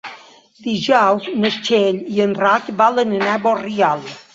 Dijous na Txell i en Roc volen anar a Borriol.